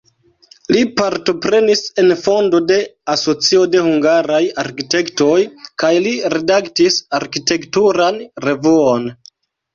Li partoprenis en fondo de asocio de hungaraj arkitektoj kaj li redaktis arkitekturan revuon.